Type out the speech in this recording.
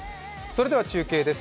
中継です。